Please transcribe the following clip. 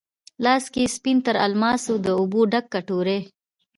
لاس کې یې سپین تر الماس، د اوبو ډک کټوری،